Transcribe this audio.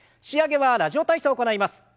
仕上げは「ラジオ体操」を行います。